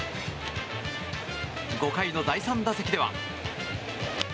５回の第３打席では。